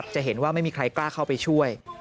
จะเห็นว่าไม่มีใครกล้าเข้าไปช่วย